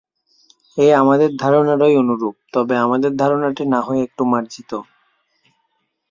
এ আমাদের ধারণারই অনুরূপ, তবে আমাদের ধারণাটি না হয় একটু মার্জিত।